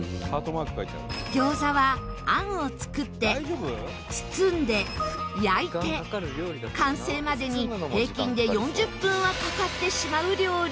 餃子は餡を作って包んで焼いて完成までに平均で４０分はかかってしまう料理。